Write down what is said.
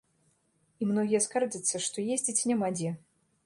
І многія скардзяцца, што ездзіць няма дзе.